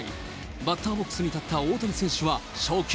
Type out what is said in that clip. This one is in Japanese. バッターボックスに立った大谷選手は初球。